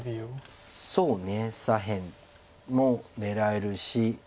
そうね左辺も狙えるし。